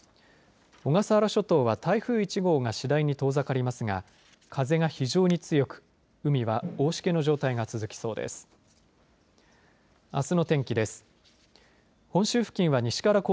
小笠原諸島は台風１号が次第に遠ざかりますが風が非常に強く海は大しけの状態が続きそうです。